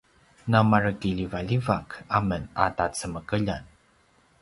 na mare kiljivaljivak amen a tacemekeljan